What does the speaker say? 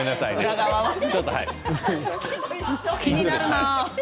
気になるの。